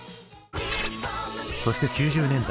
そして９０年代。